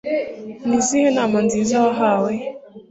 Ni izihe nama nziza wahawe?